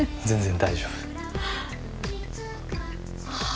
全然大丈夫は